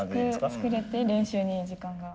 作れて練習に時間が。